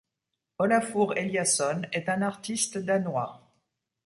Olafur Eliasson est un artiste danois.